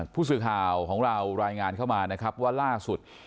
ผู้สื่อข่าวของเรารายงานเข้ามานะครับว่าล่าสุด